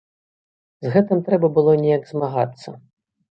З гэтым трэба было неяк змагацца.